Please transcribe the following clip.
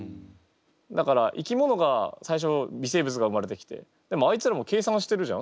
だから生き物が最初微生物が生まれてきてでもあいつらも計算してるじゃん？